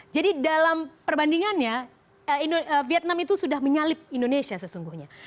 jadi dalam perbandingannya vietnam itu sudah menyalip indonesia sesungguhnya